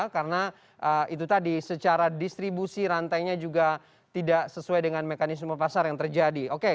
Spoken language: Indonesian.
karena itu tadi secara distribusi rantainya juga tidak sesuai dengan mekanisme pasar yang terjadi